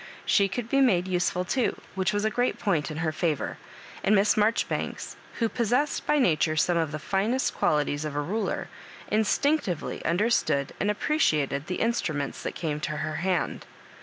She could be made useful too, which was a great point in her &vour ; and Miss Marjoribanks, who possessed by nature some of the finest qualities of a ruler, instinctively understood and appreciat ed the instruments that came to her hand.